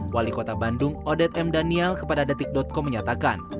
wali kota bandung odet m daniel kepada detik com menyatakan